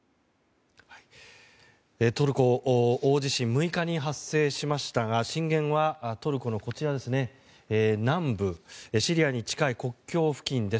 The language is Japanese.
トルコ大地震６日に発生しましたが震源はトルコの南部シリアに近い国境付近です。